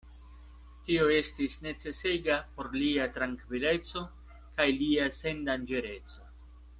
Tio estis necesega por lia trankvileco kaj lia sendanĝereco.